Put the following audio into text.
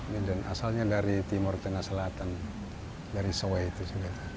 medan asalnya dari timur tengah selatan dari soe itu sudah